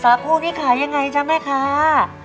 สาคูนี่ขายยังไงจ้ะแม่คะ